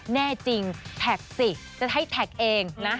แน่จริงแท็กสิจะให้แท็กเองนะ